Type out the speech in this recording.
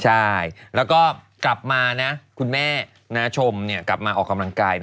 ใช่แล้วก็กลับมานะคุณแม่ชมกลับมาออกกำลังกาย